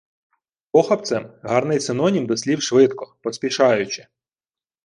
Похапцем – гарний синонім до слів швидко, поспішаючи.